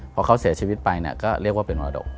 พอเขาเสียชีวิตไปก็เรียกว่าเป็นมรดก